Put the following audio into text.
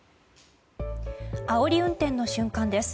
あおり運転の瞬間です。